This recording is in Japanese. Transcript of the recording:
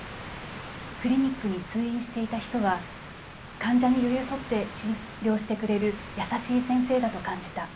クリニックに通院していた人は患者に寄り添って診療してくれる優しい先生だと感じた。